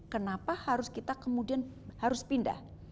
kenapa harus kita kemudian harus pindah